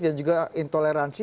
yang juga intoleransi